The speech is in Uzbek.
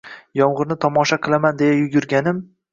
Yomg’irni tomosha qilaman deya yugurganim